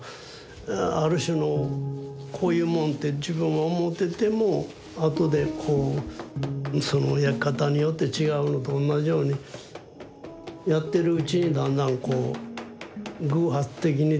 ある種のこういうもんって自分は思っててもあとでこうその焼き方によって違うのとおんなじようにやってるうちにだんだんこう偶発的に出てくる。